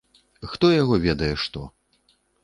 Хто яго ведае, што.